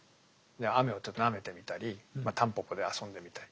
雨をちょっとなめてみたりたんぽぽで遊んでみたり。